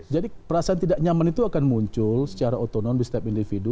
jadi perasaan tidak nyaman itu akan muncul secara otonom di setiap individu